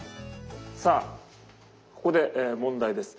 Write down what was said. さあここで問題です。